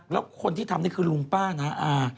แล้วคนที่ทำนี่คือลุงป้าน้าอา